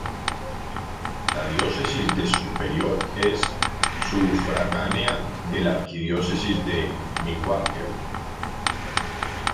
La Diócesis de Superior es sufragánea de la Arquidiócesis de Milwaukee.